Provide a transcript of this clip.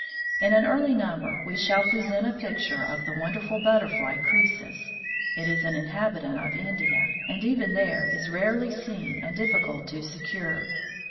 In an early number we shall present a picture of the wonderful Butterfly Croesus. It is an inhabitant of India, and even there is rarely seen and difficult to secure.